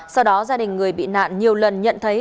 sau đó gia đình người bị nạn nhiều lần nhận thấy